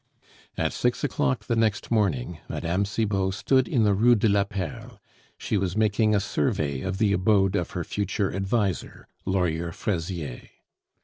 At six o'clock the next morning Mme. Cibot stood in the Rue de la Perle; she was making a survey of the abode of her future adviser, Lawyer Fraisier.